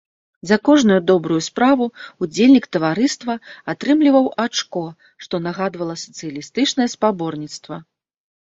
За кожную добрую справу ўдзельнік таварыства атрымліваў ачко, што нагадвала сацыялістычнае спаборніцтва.